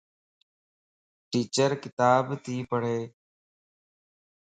ٽيچر ڪتاب تي پڙھ